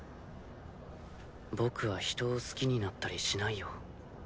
僕は人を好きになったりしないよ。